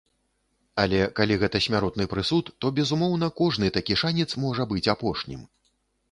Але калі гэта смяротны прысуд, то, безумоўна, кожны такі шанец можа быць апошнім.